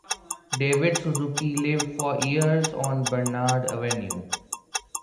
David Suzuki lived for years on Bernard Avenue.